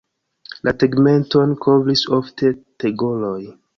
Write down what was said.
La tegmenton kovris ofte tegoloj.